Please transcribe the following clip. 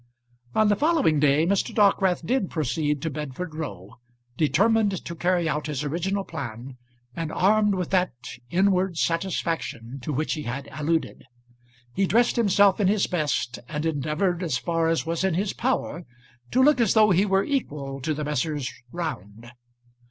On the following day Mr. Dockwrath did proceed to Bedford Row, determined to carry out his original plan, and armed with that inward satisfaction to which he had alluded. He dressed himself in his best, and endeavoured as far as was in his power to look as though he were equal to the Messrs. Round.